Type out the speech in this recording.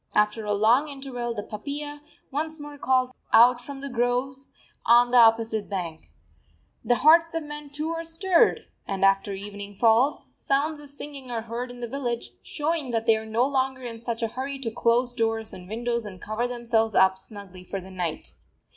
After a long interval the papiya once more calls out from the groves on the opposite bank. The hearts of men too are stirred; and after evening falls, sounds of singing are heard in the village, showing that they are no longer in such a hurry to close doors and windows and cover themselves up snugly for the night.